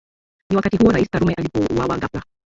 Ni wakati huo Rais Karume alipouawa ghafla